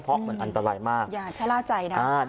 เพราะมันอันตรายมากอย่าชะล่าใจนะ